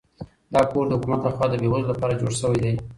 دا کور د حکومت لخوا د بې وزلو لپاره جوړ شوی دی.